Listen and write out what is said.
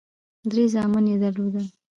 درې زامن یې درلودل.